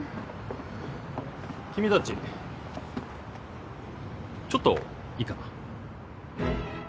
君たちちょっといいかな？